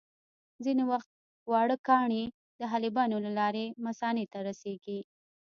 ځینې وخت واړه کاڼي د حالبینو له لارې مثانې ته رسېږي.